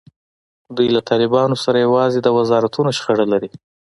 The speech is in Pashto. دوی له طالبانو سره یوازې د وزارتونو شخړه لري.